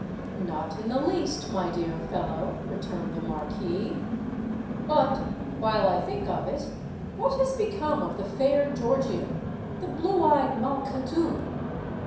"Not in the least, my dear fellow," returned the Marquis. "But, while I think of it, what has become of the fair Georgian—the blue eyed Malkhatoun?"